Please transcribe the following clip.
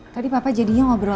tadi papa jadinya ngobrol